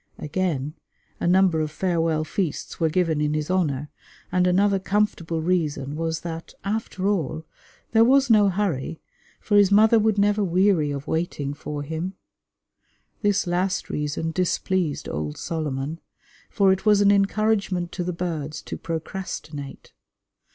Again, a number of farewell feasts were given in his honour; and another comfortable reason was that, after all, there was no hurry, for his mother would never weary of waiting for him. This last reason displeased old Solomon, for it was an encouragement to the birds to procrastinate.